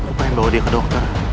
aku pengen bawa dia ke dokter